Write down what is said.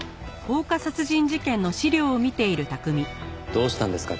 どうしたんですか？